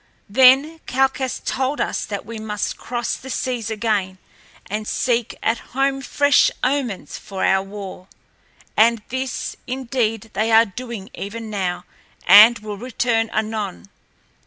Then Calchas told us that we must cross the seas again and seek at home fresh omens for our war. And this, indeed, they are doing even now, and will return anon.